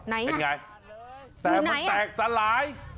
ไหนอ่ะเป็นไงแต่มันแตกสลาย